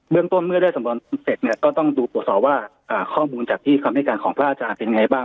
เรื่องต้นเมื่อได้สำนวนเสร็จเนี่ยก็ต้องดูตรวจสอบว่าข้อมูลจากที่คำให้การของพระอาจารย์เป็นไงบ้าง